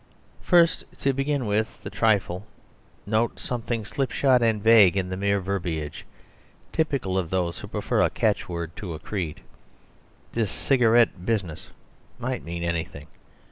First, to begin with the trifle, note something slipshod and vague in the mere verbiage, typical of those who prefer a catchword to a creed. "This cigarette business" might mean anything.